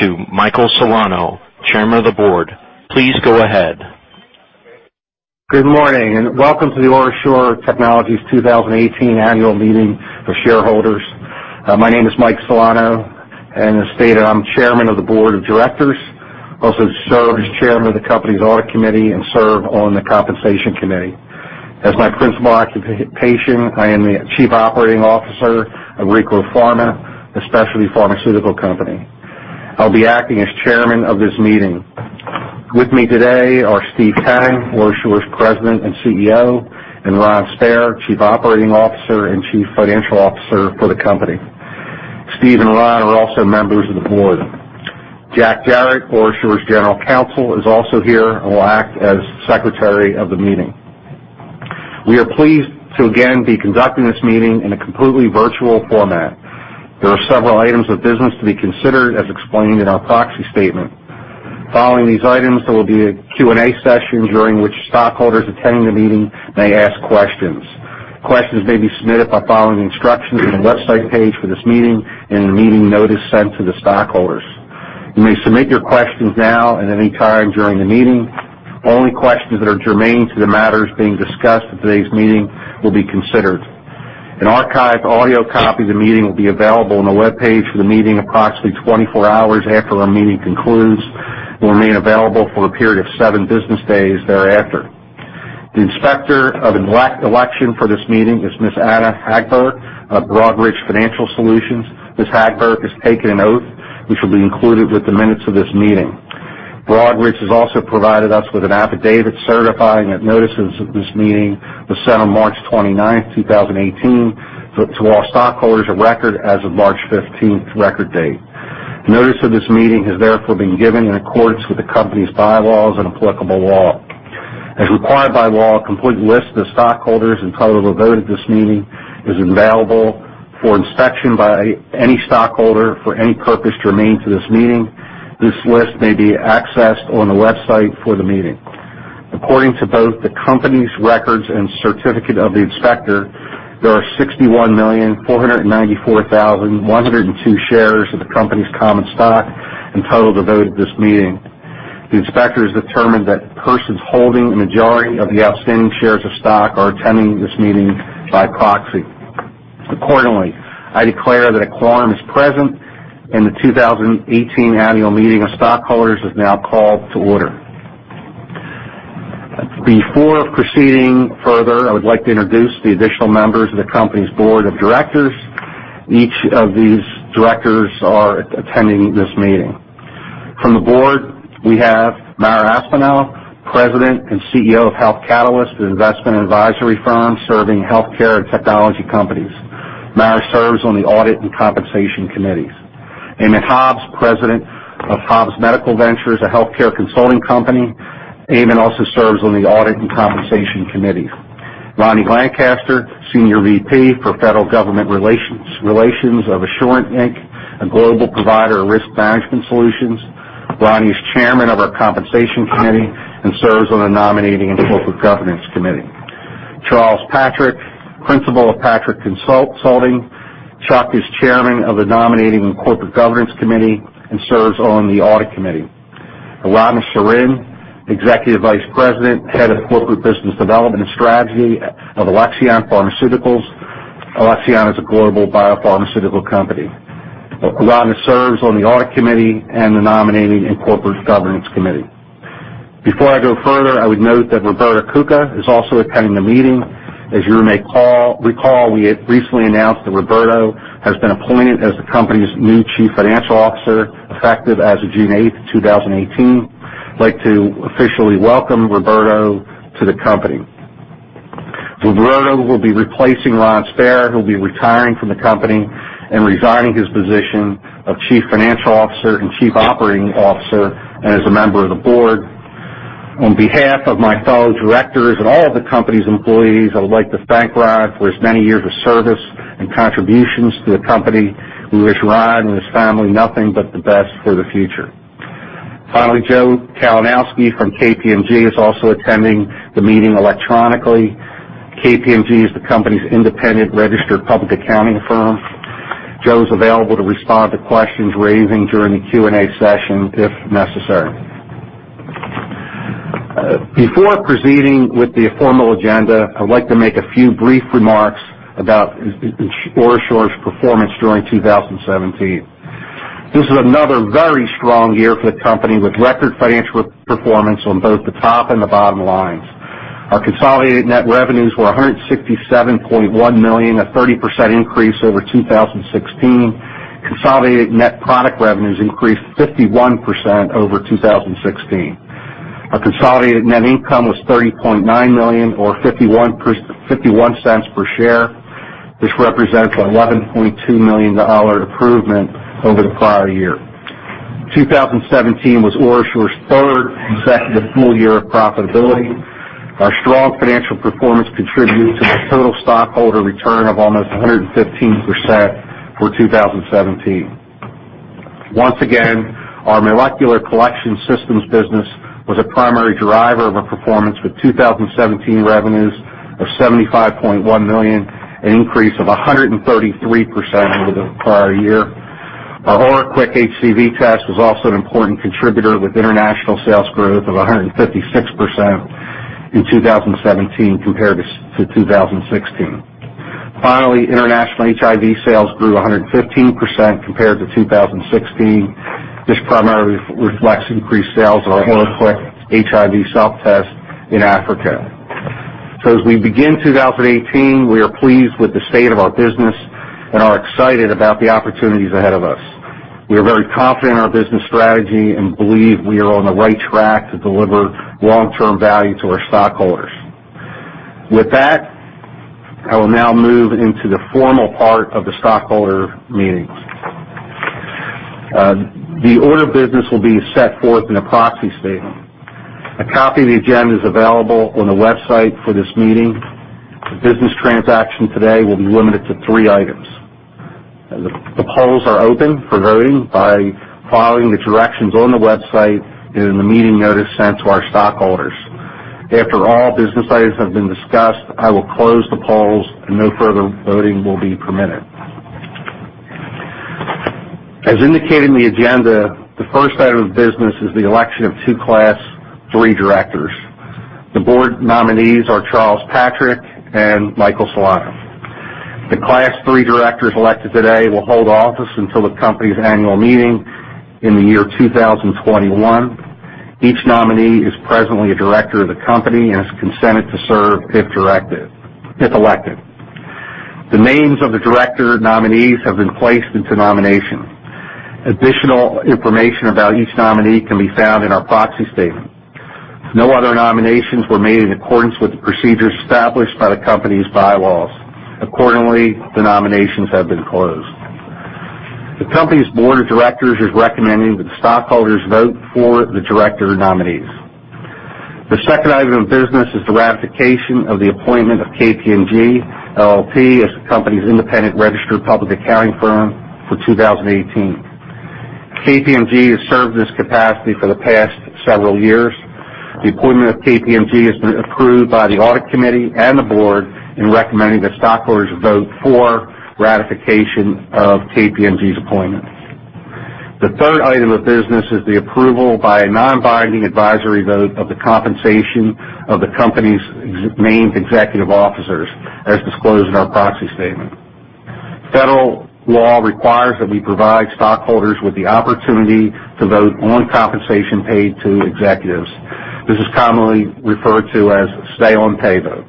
To Michael Celano, Chairman of the Board, please go ahead. Good morning. Welcome to the OraSure Technologies 2018 Annual Meeting of Shareholders. My name is Mike Celano, and as stated, I'm Chairman of the Board of Directors. I also serve as Chairman of the company's Audit Committee and serve on the Compensation Committee. As my principal occupation, I am the Chief Operating Officer of Recro Pharma, a specialty pharmaceutical company. I'll be acting as Chairman of this meeting. With me today are Steve Tang, OraSure's President and CEO, and Ron Spair, Chief Operating Officer and Chief Financial Officer for the company. Steve and Ron are also members of the Board. Jack Jerrett, OraSure's General Counsel, is also here and will act as Secretary of the meeting. We are pleased to again be conducting this meeting in a completely virtual format. There are several items of business to be considered as explained in our proxy statement. Following these items, there will be a Q&A session during which stockholders attending the meeting may ask questions. Questions may be submitted by following the instructions on the website page for this meeting and in the meeting notice sent to the stockholders. You may submit your questions now and at any time during the meeting. Only questions that are germane to the matters being discussed at today's meeting will be considered. An archived audio copy of the meeting will be available on the webpage for the meeting approximately 24 hours after our meeting concludes, and will remain available for a period of seven business days thereafter. The Inspector of Election for this meeting is Ms. Anna Hagberg of Broadridge Financial Solutions. Ms. Hagberg has taken an oath, which will be included with the minutes of this meeting. Broadridge has also provided us with an affidavit certifying that notices of this meeting were sent on March 29th, 2018, to all stockholders of record as of March 15th record date. Notice of this meeting has therefore been given in accordance with the company's bylaws and applicable law. As required by law, a complete list of the stockholders entitled to vote at this meeting is available for inspection by any stockholder for any purpose germane to this meeting. This list may be accessed on the website for the meeting. According to both the company's records and certificate of the inspector, there are 61,494,102 shares of the company's common stock in total to vote at this meeting. The inspector has determined that persons holding a majority of the outstanding shares of stock are attending this meeting by proxy. Accordingly, I declare that a quorum is present, the 2018 Annual Meeting of Stockholders is now called to order. Before proceeding further, I would like to introduce the additional members of the company's board of directors. Each of these directors are attending this meeting. From the board, we have Mara Aspinall, President and CEO of Health Catalysts Group, an investment advisory firm serving healthcare and technology companies. Mara serves on the Audit and Compensation Committees. Eamonn Hobbs, President of Hobbs Medical Ventures, a healthcare consulting company. Eamonn also serves on the Audit and Compensation Committees. Ronny Lancaster, Senior VP for Federal Government Relations of Assurant, Inc., a global provider of risk management solutions. Ronny is chairman of our Compensation Committee and serves on the Nominating and Corporate Governance Committee. Charles Patrick, Principal of Patrick Consulting. Chuck is chairman of the Nominating and Corporate Governance Committee and serves on the Audit Committee. Lilach Schory-Man, Executive Vice President, Head of Corporate Business Development and Strategy of Alexion Pharmaceuticals. Alexion is a global biopharmaceutical company. Lilach serves on the Audit Committee and the Nominating and Corporate Governance Committee. Before I go further, I would note that Roberto Cuca is also attending the meeting. As you may recall, we had recently announced that Roberto has been appointed as the company's new Chief Financial Officer, effective as of June 8, 2018. I'd like to officially welcome Roberto to the company. Roberto will be replacing Ron Spair, who will be retiring from the company and resigning his position of Chief Financial Officer and Chief Operating Officer, and as a member of the board. On behalf of my fellow directors and all of the company's employees, I would like to thank Ron for his many years of service and contributions to the company. We wish Ron and his family nothing but the best for the future. Finally, Joe Kalinowski from KPMG is also attending the meeting electronically. KPMG is the company's independent registered public accounting firm. Joe is available to respond to questions raised during the Q&A session if necessary. Before proceeding with the formal agenda, I would like to make a few brief remarks about OraSure's performance during 2017. This was another very strong year for the company, with record financial performance on both the top and the bottom lines. Our consolidated net revenues were $167.1 million, a 30% increase over 2016. Consolidated net product revenues increased 51% over 2016. Our consolidated net income was $30.9 million, or $0.51 per share, which represents an $11.2 million improvement over the prior year. 2017 was OraSure's third consecutive full year of profitability. Our strong financial performance contributed to a total stockholder return of almost 115% for 2017. Once again, our molecular collection systems business was a primary driver of our performance, with 2017 revenues of $75.1 million, an increase of 133% over the prior year. Our OraQuick HCV test was also an important contributor with international sales growth of 156% in 2017 compared to 2016. Finally, international HIV sales grew 115% compared to 2016. This primarily reflects increased sales of our OraQuick HIV self-test in Africa. As we begin 2018, we are pleased with the state of our business and are excited about the opportunities ahead of us. We are very confident in our business strategy and believe we are on the right track to deliver long-term value to our stockholders. With that, I will now move into the formal part of the stockholder meetings. The order of business will be set forth in a proxy statement. A copy of the agenda is available on the website for this meeting. The business transaction today will be limited to three items. The polls are open for voting by following the directions on the website and in the meeting notice sent to our stockholders. After all business items have been discussed, I will close the polls and no further voting will be permitted. As indicated in the agenda, the first item of business is the election of two class 3 directors. The board nominees are Charles Patrick and Michael Celano. The class 3 directors elected today will hold office until the company's annual meeting in the year 2021. Each nominee is presently a director of the company and has consented to serve if elected. The names of the director nominees have been placed into nomination. Additional information about each nominee can be found in our proxy statement. No other nominations were made in accordance with the procedures established by the company's bylaws. Accordingly, the nominations have been closed. The company's board of directors is recommending that the stockholders vote for the director nominees. The second item of business is the ratification of the appointment of KPMG LLP as the company's independent registered public accounting firm for 2018. KPMG has served this capacity for the past several years. The appointment of KPMG has been approved by the audit committee and the board in recommending that stockholders vote for ratification of KPMG's appointment. The third item of business is the approval by a non-binding advisory vote of the compensation of the company's named executive officers, as disclosed in our proxy statement. Federal law requires that we provide stockholders with the opportunity to vote on compensation paid to executives. This is commonly referred to as a say on pay vote.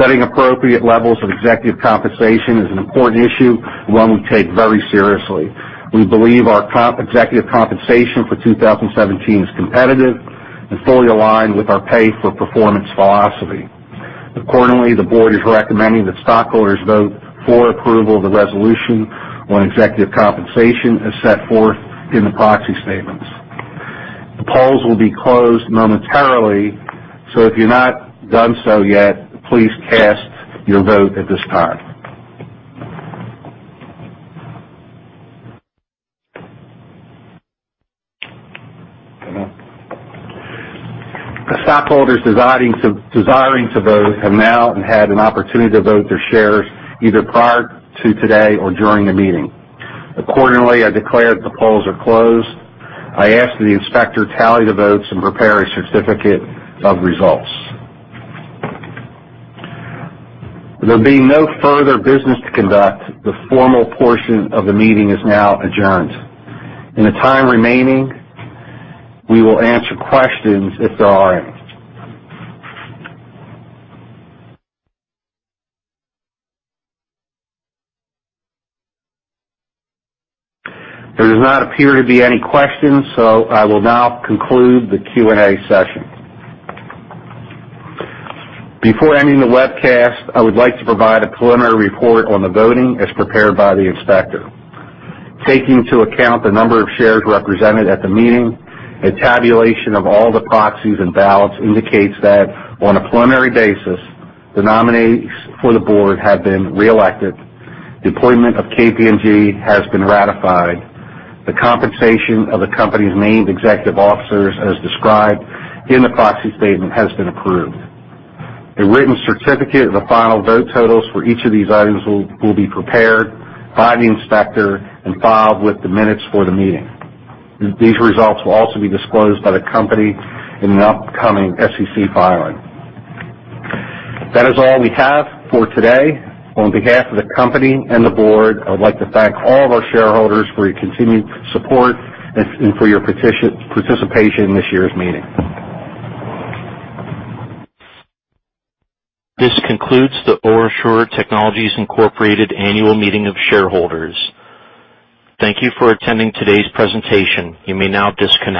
Setting appropriate levels of executive compensation is an important issue and one we take very seriously. We believe our top executive compensation for 2017 is competitive and fully aligned with our pay for performance philosophy. Accordingly, the board is recommending that stockholders vote for approval of the resolution on executive compensation as set forth in the proxy statements. The polls will be closed momentarily, if you've not done so yet, please cast your vote at this time. The stockholders desiring to vote have now had an opportunity to vote their shares either prior to today or during the meeting. Accordingly, I declare the polls are closed. I ask the inspector tally the votes and prepare a certificate of results. There being no further business to conduct, the formal portion of the meeting is now adjourned. In the time remaining, we will answer questions if there are any. There does not appear to be any questions, I will now conclude the Q&A session. Before ending the webcast, I would like to provide a preliminary report on the voting as prepared by the inspector. Taking into account the number of shares represented at the meeting, a tabulation of all the proxies and ballots indicates that on a preliminary basis, the nominees for the board have been reelected. The appointment of KPMG has been ratified. The compensation of the company's named executive officers as described in the proxy statement, has been approved. A written certificate of the final vote totals for each of these items will be prepared by the inspector and filed with the minutes for the meeting. These results will also be disclosed by the company in an upcoming SEC filing. That is all we have for today. On behalf of the company and the board, I would like to thank all of our shareholders for your continued support and for your participation in this year's meeting. This concludes the OraSure Technologies, Inc. Annual Meeting of Shareholders. Thank you for attending today's presentation. You may now disconnect.